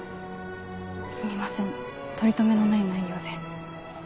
すみませんとりとめのない内容で。